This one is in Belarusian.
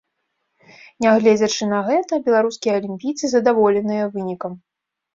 Нягледзячы на гэта, беларускія алімпійцы задаволеныя вынікам.